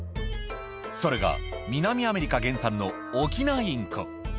それが、南アメリカ原産のオキナインコ。